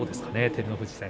照ノ富士戦。